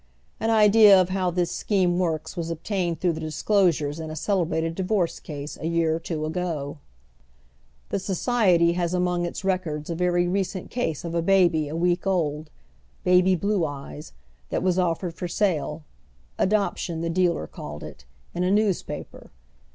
An idea of how this scheme works was obtained through the disclosures in a celebrated divorce ease, a year or two ago. The society has among its records a very recent oy Google 193 HOW THE OTHER HALF LIVES. ease * of a baby a week old (Baby " Blue Eyes ") that was offered for saJe^adoption, tbe dealer called it — in a news paper.